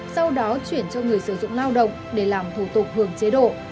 sau đó chuyển cho người sử dụng lao động để làm thủ tục hưởng chế độ